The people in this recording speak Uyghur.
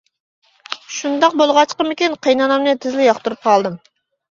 شۇنداق بولغاچقىمىكىن قېيىنئانامنى تىزلا ياقتۇرۇپ قالدىم.